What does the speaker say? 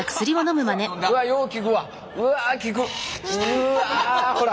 うわほら。